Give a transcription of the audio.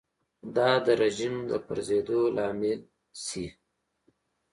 دا د رژیم د پرځېدو لامل شي.